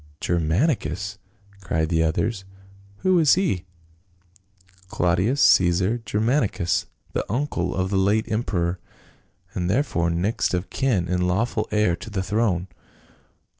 " Germanicus !" cried the others. "Who is he ?"" Claudius Caesar Germanicus, the uncle of the late emperor, and therefore next of kin and lawful heir to the throne."